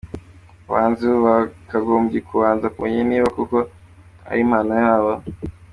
Abahanzi b’ubu bakagombye kubanza kumenya niba koko ari impano yabo.